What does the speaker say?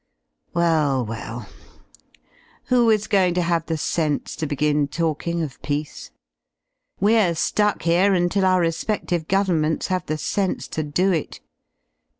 Well, well ; who is going to have the sense to begin talking of peace? We're * ^uck here until our respective Governments have the sense j to do it.